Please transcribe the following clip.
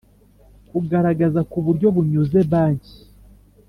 kugaragaza ku buryo bunyuze Banki